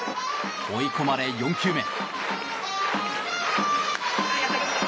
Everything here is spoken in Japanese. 追い込まれ４球目。